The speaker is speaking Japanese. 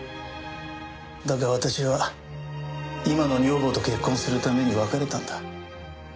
だが私は今の女房と結婚するために別れたんだ。